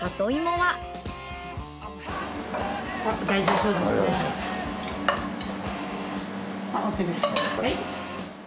はい。